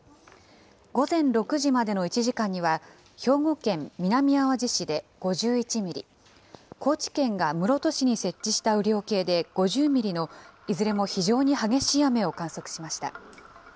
午前６時までの１時間には、兵庫県南あわじ市で５１ミリ、高知県が室戸市に設置した雨量計で５０ミリのいずれも非常に激しい雨を観測しました。